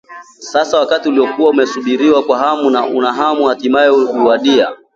Sasa wakati uliokuwa umesubiriwa kwa hamu na hamumu hatimaye uliwadia